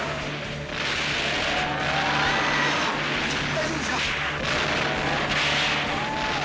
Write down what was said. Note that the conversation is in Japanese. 大丈夫ですか？